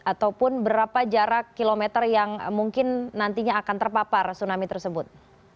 ataupun berapa jarak kilometer yang mungkin nantinya akan terpapar tsunami tersebut